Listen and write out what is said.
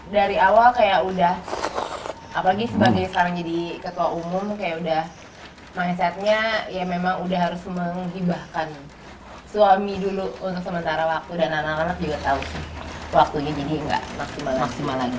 dari awal kayak udah apalagi sebagai sekarang jadi ketua umum kayak udah mindsetnya ya memang udah harus menghibahkan suami dulu untuk sementara waktu dan anak anak juga tahu sih waktunya jadi nggak maksimal maksimal lagi